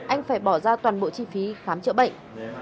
anh phải bỏ ra toàn bộ chi phí khám chữa bệnh